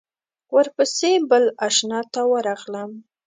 ورپسې بل آشنا ته ورغلم.